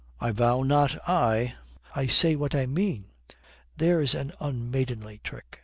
"I vow not I. I say what I mean. There's an unmaidenly trick.